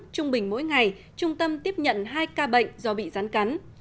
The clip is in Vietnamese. trung bình mỗi ngày trung tâm tiếp nhận hai ca bệnh do bị rắn cắn